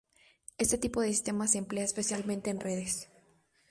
Este tipo de sistemas se emplea especialmente en redes.